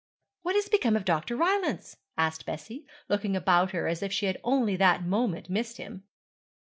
'What has become of Dr. Rylance?' asked Bessie, looking about her as if she had only that moment missed him.